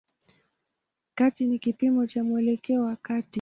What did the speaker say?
Kati ni kipimo cha mwelekeo wa kati.